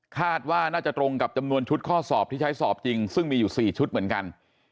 คาดว่าน่าจะตรงกับจำนวนชุดข้อสอบที่ใช้สอบจริงซึ่งมีอยู่๔ชุดเหมือนกัน